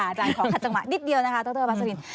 อาจารย์ขอขัดจังหวะนิดเดียวนะคะดรพัศวิน